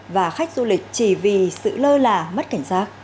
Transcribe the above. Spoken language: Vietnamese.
và khách du lịch chỉ vì sự lơ là mất cảnh giác